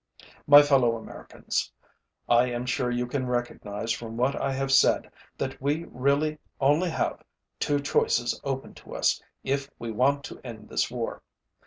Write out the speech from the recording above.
My fellow Americans, I am sure you can recognize from what I have said that we really only have two choices open to us if we want to end this war.